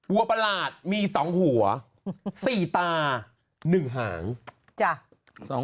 ประหลาดมี๒หัว๔ตา๑หาง